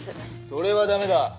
それはダメだ。